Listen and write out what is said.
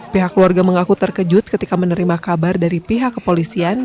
pihak keluarga mengaku terkejut ketika menerima kabar dari pihak kepolisian